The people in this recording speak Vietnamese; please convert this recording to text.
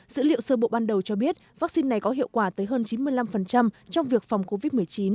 dữ liệu sơ bộ ban đầu cho biết vaccine này có hiệu quả tới hơn chín mươi năm trong việc phòng covid một mươi chín